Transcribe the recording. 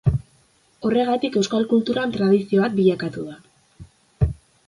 Horregatik euskal kulturan tradizio bat bilakatu da.